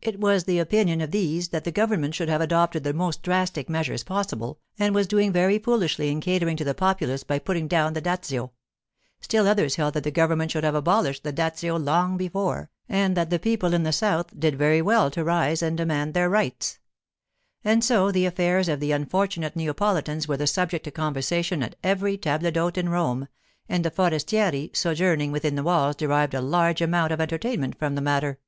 It was the opinion of these that the government should have adopted the most drastic measures possible, and was doing very foolishly in catering to the populace by putting down the dazio. Still others held that the government should have abolished the dazio long before, and that the people in the south did very well to rise and demand their rights. And so the affairs of the unfortunate Neapolitans were the subject of conversation at every table d'hôte in Rome; and the forestieri sojourning within the walls derived a large amount of entertainment from the matter.